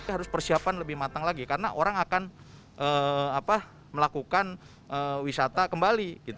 harus persiapan lebih matang lagi karena orang akan melakukan wisata kembali